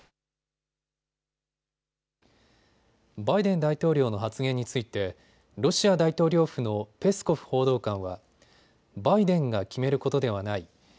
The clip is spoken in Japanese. バイデン大統領の発言についてロシア大統領府のペスコフ報道官はバイデンが決めることではない。